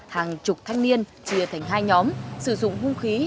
hàng chục thanh niên chia thành hai nhóm sử dụng hung khí